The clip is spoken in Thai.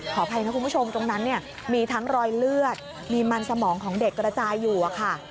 อภัยนะคุณผู้ชมตรงนั้นเนี่ยมีทั้งรอยเลือดมีมันสมองของเด็กกระจายอยู่ค่ะ